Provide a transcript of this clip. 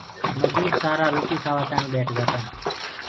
مجور سآرآ روٽي کآوآ تآڻي ٻيٺ گآ هينٚ